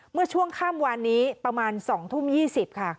เมื่อช่วงค่ำวานนี้ประมาณ๒ทุ่ม๒๐ค่ะ